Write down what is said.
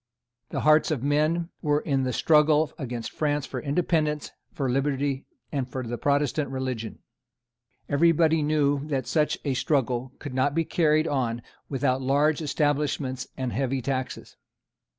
The hearts of men were in the struggle against France for independence, for liberty, and for the Protestant religion. Everybody knew that such a struggle could not be carried on without large establishments and heavy taxes.